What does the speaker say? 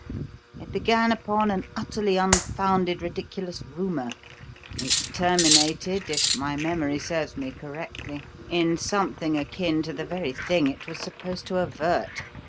It began upon an utterly unfounded, ridiculous rumour; it terminated, if my memory serves me correctly, in something akin to the very thing it was supposed to avert.